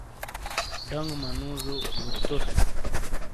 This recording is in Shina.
ڈانگو مُنوجو لوستور ہُوں۔